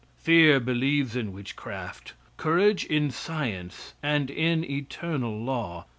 Fear believes in witchcraft; courage in science and in eternal law.